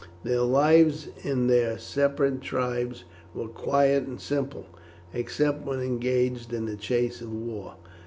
Their lives in their separate tribes were quiet and simple, except when engaged in the chase or war.